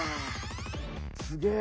すげえ。